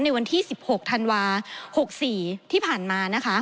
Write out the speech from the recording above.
ในวันที่๑๖ธันวา๖๔ที่ผ่านมานะคะ